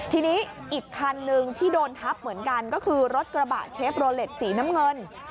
ทีนี้อีกคันหนึ่งที่โดนทับเหมือนกันก็คือรถกระบะเชฟโรเล็ตสีน้ำเงิน